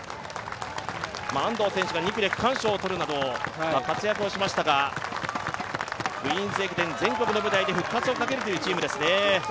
安藤選手が２区で区間賞を取るなど活躍をしましたが全国の舞台で復活をかけるというチームですね。